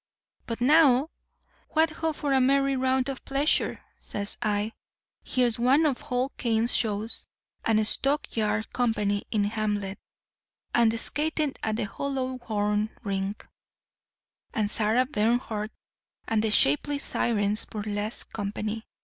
"'But now, what ho for a merry round of pleasure,' says I. 'Here's one of Hall Caine's shows, and a stock yard company in "Hamlet," and skating at the Hollowhorn Rink, and Sarah Bernhardt, and the Shapely Syrens Burlesque Company.